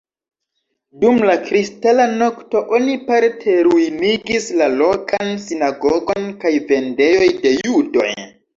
Dum la Kristala Nokto oni parte ruinigis la lokan sinagogon kaj vendejoj de judoj.